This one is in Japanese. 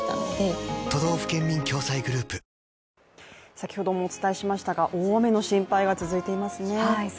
先ほどもお伝えしましたが大雨の心配が続いていますね。